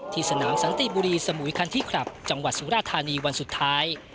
สนามสันติบุรีสมุยคันที่คลับจังหวัดสุราธานีวันสุดท้าย